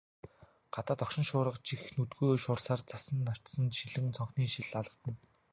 Гадаа догшин шуурга чих нүдгүй шуурсаар, цасан навчис шидлэн цонхны шил алгадна.